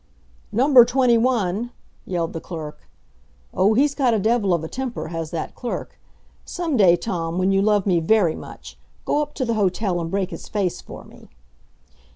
"Number Twenty one!" yelled the clerk. Oh, he's got a devil of a temper, has that clerk. Some day, Tom, when you love me very much, go up to the hotel and break his face for me.